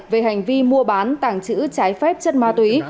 về hành vi mua bán tàng trữ trái phép chất ma túy